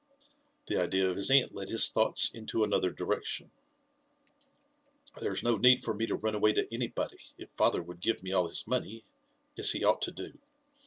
The idea of his aunt led his thoughts into another direction. There's no need for me to run away to anybody, if father would give me all his money, as he ought to do.